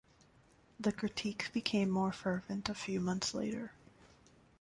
The critiques became more fervent a few months later.